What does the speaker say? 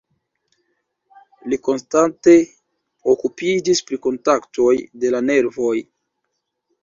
Li konstante okupiĝis pri kontaktoj de la nervoj.